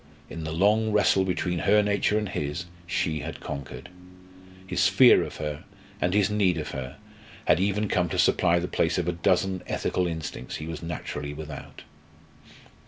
In the long wrestle between her nature and his, she had conquered. His fear of her and his need of her had even come to supply the place of a dozen ethical instincts he was naturally without.